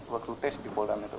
waktu tes di program itu